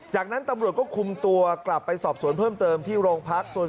จากนั้นตำรวจก็คุมตัวกลับไปสอบสวนเพิ่มเติมที่โรงพัก